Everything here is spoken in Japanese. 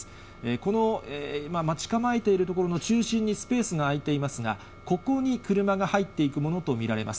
この、今待ち構えている所の中心にスペースが空いていますが、ここに車が入っていくものと見られます。